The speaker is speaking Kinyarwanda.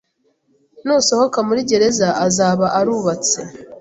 Nusohoka muri gereza, azaba arubatse.